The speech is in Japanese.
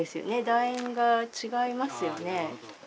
だ円が違いますよね。